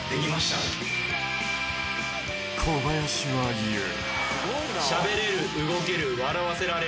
［小林は言う］